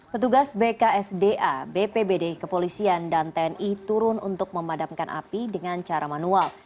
petugas bksda bpbd kepolisian dan tni turun untuk memadamkan api dengan cara manual